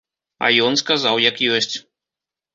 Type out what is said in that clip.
А ён сказаў як ёсць.